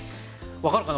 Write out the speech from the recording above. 分かるかな？